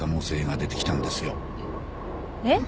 えっ？